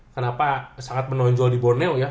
kenapa sangat menonjol di borneo ya